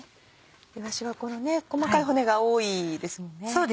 いわしは細かい骨が多いですもんね。